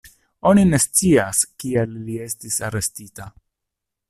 Oni ne scias kial li estis arestita.